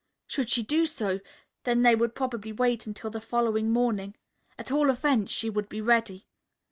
Should she do so, then they would probably wait until the following morning. At all events she would be ready.